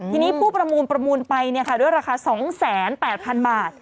ทีนี้ผู้ประมูลประมูลไปด้วยราคา๒๘๐๐๐บาท